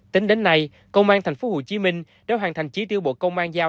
tính đến nay công an tp hcm đã hoàn thành chí tiêu bộ công an giao